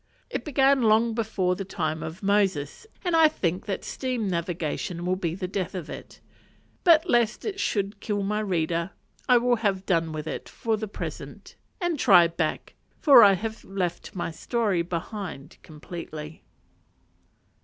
It began long before the time of Moses, and I think that steam navigation will be the death of it; but lest it should kill my reader I will have done with it for the present, and "try back," for I have left my story behind completely.